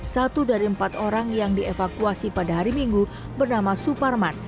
satu dari empat orang yang dievakuasi pada hari minggu bernama suparman